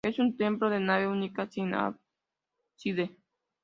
Es un templo de nave única, sin ábside.